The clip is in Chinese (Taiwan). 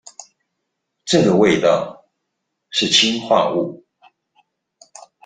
這個味道，是氰化物